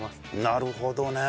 なるほどね。